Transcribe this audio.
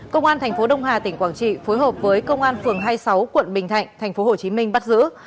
công an thành phố đông hà tỉnh quảng trị phối hợp với công an phường hai mươi sáu quận bình thạnh tp hcm bắt giữ